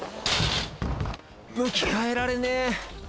向き、変えられねえ。